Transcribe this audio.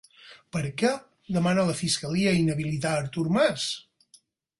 Per què demana la fiscalia inhabilitar a Artur Mas?